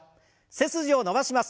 背筋を伸ばします。